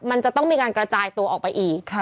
มันจะต้องมีการกระจายตัวออกไปอีก